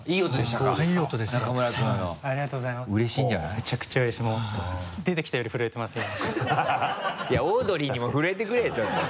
いやオードリーにも震えてくれちょっと。